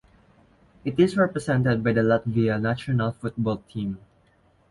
It is represented by the Latvia national football team.